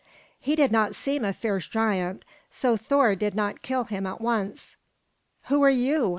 He did not seem a fierce giant, so Thor did not kill him at once. "Who are you?"